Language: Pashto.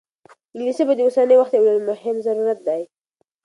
انګلیسي ژبه د اوسني وخت یو ډېر مهم ضرورت دی.